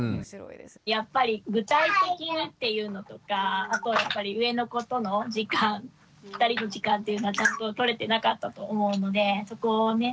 やっぱり具体的にっていうのとかあと上の子との時間２人の時間っていうのはちゃんと取れてなかったと思うのでそこをね